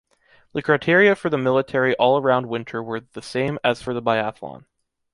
The criteria for the military all-around winter were the same as for the biathlon.